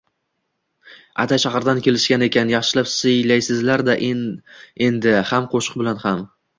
— atay shahardan kelishgan ekan, yaxshilab siylaysizda endi, ham qoʼshiq bilan, ham.